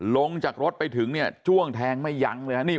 ลงจากรถไปถึงจ้วงแทงไม่ยังเลย